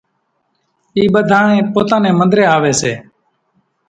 اِي ٻڌانئين پوتا نين منۮرين آوي سي